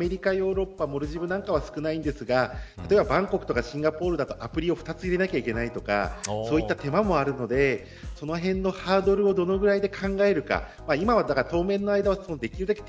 アメリカ、ヨーロッパモルディブなどは少ないですがバンコクやシンガポールだとアプリを２つ入れないといけないとかそういった手間もあるのでそのへんのハードルをどのぐらいで考えるか。